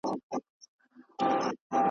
د طبیب له نامردیه خپل پرهار ته غزل لیکم .